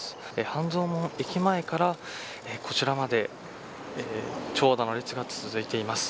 半蔵門駅前からこちらまで長蛇の列が続いています。